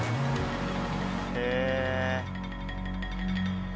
へえ。